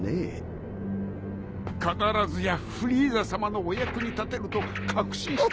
必ずやフリーザさまのお役に立てると確信しております。